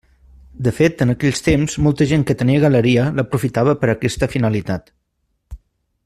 De fet en aquells temps molta gent que tenia galeria l'aprofitava per a aquesta finalitat.